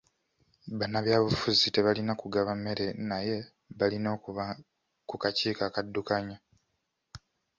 Bannabyabufuzi tebalina kugaba mmere naye balina okuba ku kakiiko akadduukanya.